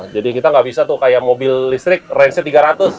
jadi kita nggak bisa tuh kayak mobil listrik range nya tiga ratus